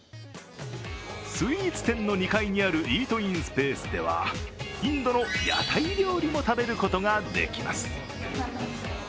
スイーツ店の２階にあるイートインスペースではインドの屋台料理も食べることができます。